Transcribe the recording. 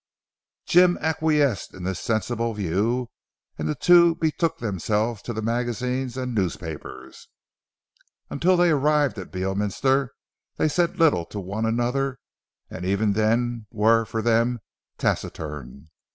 Jim acquiesced in this sensible view and the two betook themselves to the magazines and newspapers. Until they arrived at Beorminster, they said little to one another, and even then were for them taciturn.